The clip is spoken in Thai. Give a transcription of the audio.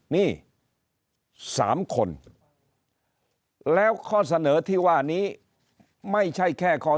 นี่๓คนแล้วข้อเสนอที่ว่านี้ไม่ใช่แค่ข้อ๒